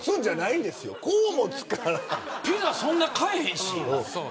ピザそんな買わへんし。